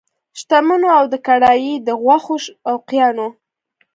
شتمنو او د کړایي د غوښو شوقیانو!